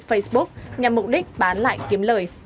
facebook nhằm mục đích bán lại kiếm lời